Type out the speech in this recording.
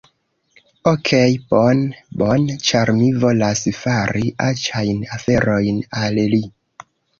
Okej bone, bone, ĉar mi volas fari aĉajn aferojn al li